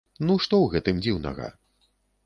Ну што ў гэтым дзіўнага?